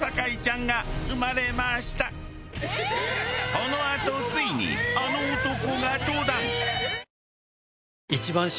このあとついにあの男が登壇！